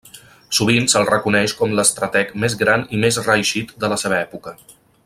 Sovint se'l reconeix com l'estrateg més gran i més reeixit de la seva època.